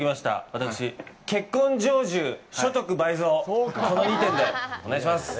私、「結婚成就所得倍増」、この２点でお願いします！